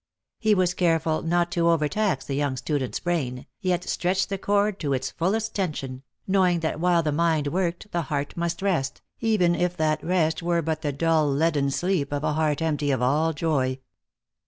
He was careful not to overtax the young student's brain, yet stretched the cord to its fullest tension, knowing that while the mind worked the heart must rest, even if that rest were but the dull leaden sleep of a heart empty of all joy.